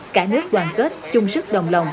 cả nước đoàn kết chung sức đồng lòng